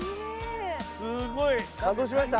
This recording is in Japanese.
すごい。感動しました？